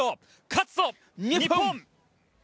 勝つぞ、日本！